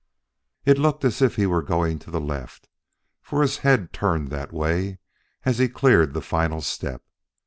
It looked as if he were going to the left, for his head turned that way as he cleared the final step.